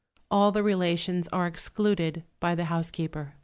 All the relations are excluded by the housekeeper."